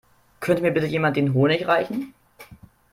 Könnte mir bitte jemand den Honig reichen?